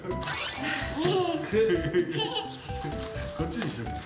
こっちにしようよ。